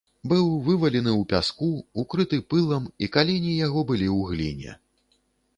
Быў вывалены ў пяску, укрыты пылам, і калені яго былі ў гліне.